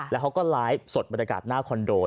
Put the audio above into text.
แล้วเขาก็ไลฟ์สดบรรยากาศหน้าคอนโด